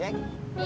iya bang ojek